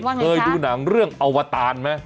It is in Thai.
เคยดูหนังเรื่องอวตารไหม